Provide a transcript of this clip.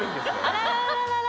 あららら